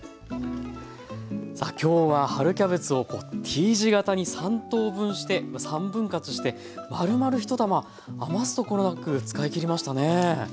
さあきょうは春キャベツをＴ字形に３等分して３分割してまるまる１玉余すところなく使い切りましたね。